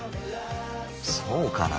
そうかな。